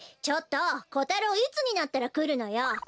ちょっとコタロウいつになったらくるのよ！